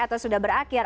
atau sudah berakhir